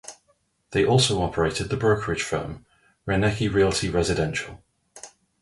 They also operated the brokerage firm, Reinecke Realty Residential.